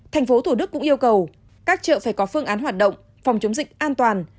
tp thủ đức cũng yêu cầu các chợ phải có phương án hoạt động phòng chống dịch an toàn